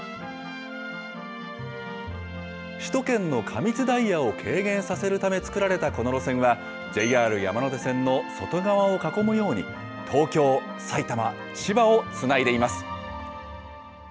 首都圏の過密ダイヤを軽減させるため造られたこの路線は、ＪＲ山手線の外側を囲むように、東京、埼玉、千葉をつないでいます。